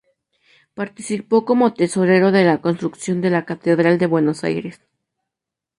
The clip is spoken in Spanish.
Participó como tesorero de la construcción de la Catedral de Buenos Aires.